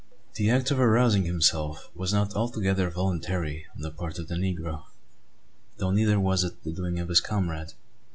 The act of arousing himself was not altogether voluntary on the part of the negro; though neither was it the doing of his comrade.